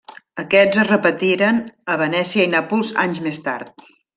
Aquests es repetiren a Venècia i Nàpols anys més tard.